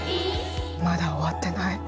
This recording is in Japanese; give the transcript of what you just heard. まだ終わってない。